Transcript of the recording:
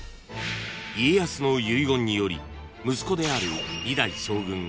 ［家康の遺言により息子である］